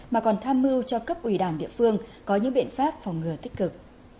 mà còn tham mưu cho cấp ủy đảng địa phương có những biện pháp phòng ngừa tích cực